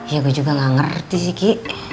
ya gue juga gak ngerti sih ki